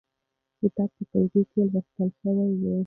کتاب په ټولګي کې ولوستل شو.